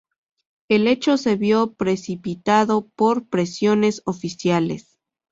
El hecho se vio precipitado por presiones oficiales.